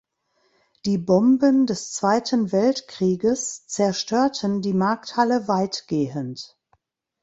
Die Bomben des Zweiten Weltkrieges zerstörten die Markthalle weitgehend.